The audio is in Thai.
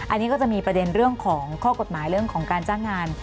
อันนี้ก็จะมีประเด็นเรื่องของข้อกฎหมายเรื่องของการจ้างงาน